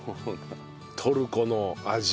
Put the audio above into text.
トルコの味。